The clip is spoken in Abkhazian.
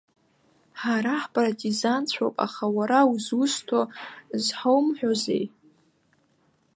Ҳара ҳпартизанцәоуп, аха уара узусҭоу зҳаумҳәозеи?